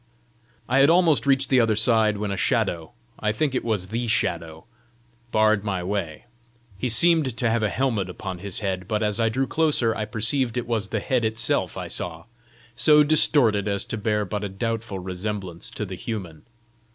I had almost reached the other side when a Shadow I think it was The Shadow, barred my way. He seemed to have a helmet upon his head, but as I drew closer I perceived it was the head itself I saw so distorted as to bear but a doubtful resemblance to the human.